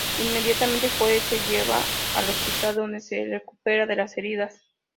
Inmediatamente, Joe se la lleva al hospital donde se recupera de las heridas.